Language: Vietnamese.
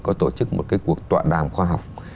có tổ chức một cái cuộc tọa đàm khoa học